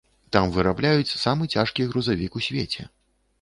Там вырабляюць самы цяжкі грузавік у свеце.